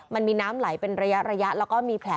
มันมีน้ำไหลเป็นระยะ